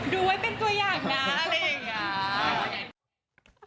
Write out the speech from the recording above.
ดูไว้เป็นตัวอย่างนะอะไรอย่างนี้